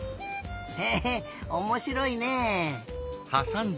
へえおもしろいね。